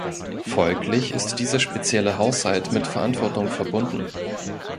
Folglich ist dieser spezielle Haushalt mit Verantwortung verbunden.